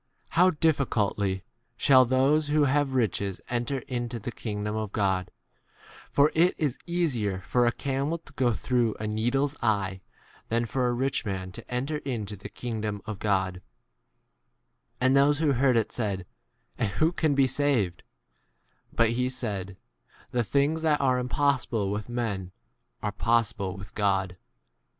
« Or ' will immediately say to him, Come and,' kingdom of God j for it is easier for a camel to go through a needle's eye than for a rich man to enter into the kingdom of God. J And those who heard it said, And f who can be saved ? But he said, The things that are impossible with men are possible with God.